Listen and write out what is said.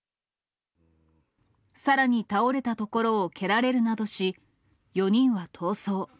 さらに倒れたところを蹴られるなどし、４人は逃走。